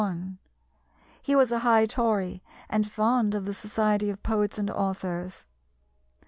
He was a High Tory, and fond of the society of poets and authors.